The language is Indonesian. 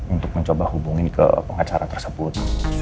untuk mencoba hubungi ke pengacara tersebut